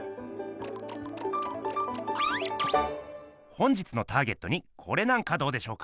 本日のターゲットにこれなんかどうでしょうか？